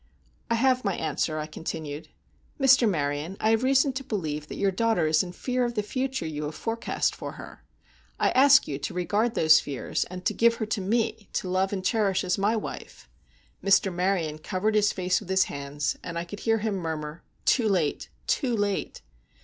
"I have my answer," I continued. "Mr. Maryon, I have reason to believe that your daughter is in fear of the future you have forecast for her. I ask you to regard those fears, and to give her to me, to love and cherish as my wife." Mr. Maryon covered his face with his hands; and I could hear him murmur, "Too late—too late!"